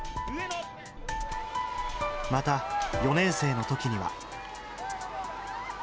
また、４年生のときには。